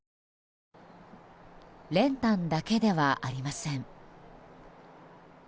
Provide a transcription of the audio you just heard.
練炭だけではありません。